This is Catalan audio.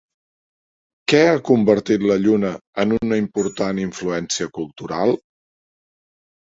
Què ha convertit la Lluna en una important influència cultural?